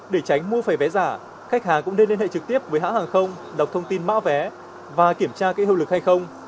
để tránh mua phải vé giả khách hàng cũng nên liên hệ trực tiếp với hãng hàng không đọc thông tin mã vé và kiểm tra kỹ hưu lực hay không